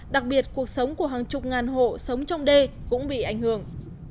đặc biệt cuộc sống của hàng chục ngàn hộ sống trong đê cũng bị ảnh hưởng